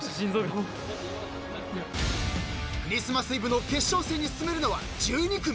［クリスマスイブの決勝戦に進めるのは１２組］